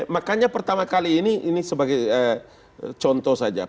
makanya pertama kali ini ini sebagai contoh saja